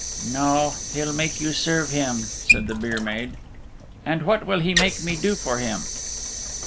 "No. He'll make you serve him," said the byre maid. "And what will he make me do for him?"